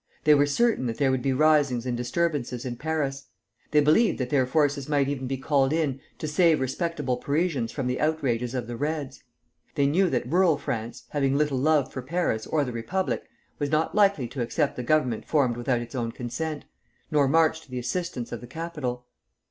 They were certain that there would be risings and disturbances in Paris. They believed that their forces might even be called in to save respectable Parisians from the outrages of the Reds. They knew that rural France, having little love for Paris or the Republic, was not likely to accept the Government formed without its own consent, nor march to the assistance of the capital.